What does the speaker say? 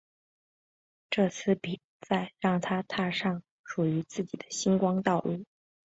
这次比赛让她踏上属于自己的星光道路。